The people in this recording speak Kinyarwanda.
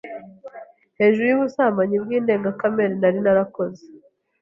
hejuru y’ubusambanyi bw’indengakamere narinarakoze,